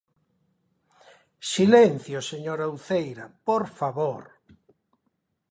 Silencio, señora Uceira, ¡por favor!